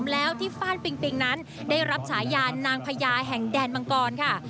แล้วที่ฟ่านปิงปิงนั้นได้รับฉายานางพญาแห่งแดนมังกรค่ะ